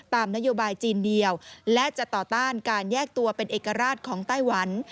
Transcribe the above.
ตามนโยบายจีนเดียวและจะต่อต้านการแยกตัวเป็นเอกราชของไต้หวัน